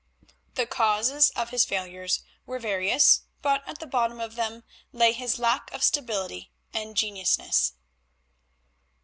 The causes of his failures were various, but at the bottom of them lay his lack of stability and genuineness.